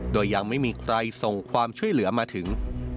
โดยยังไม่มีใครส่งความช่วยเหลือมาถึง